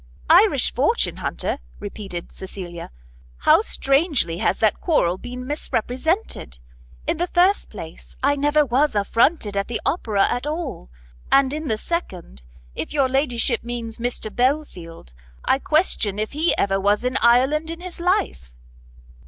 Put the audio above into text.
"Irish fortune hunter?" repeated Cecilia, "how strangely has that quarrel been misrepresented! In the first place, I never was affronted at the Opera at all, and in the second, if your Ladyship means Mr Belfield, I question if he ever was in Ireland in his life."